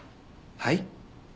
はい？